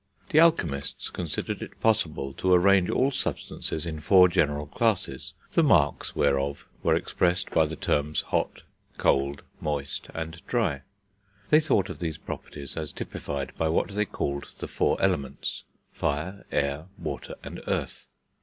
The alchemists considered it possible to arrange all substances in four general classes, the marks whereof were expressed by the terms hot, cold, moist, and dry; they thought of these properties as typified by what they called the four Elements fire, air, water, and earth.